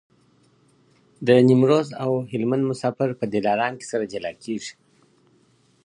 د نیمروز او هلمند مسافر په دلارام کي سره جلا کېږي.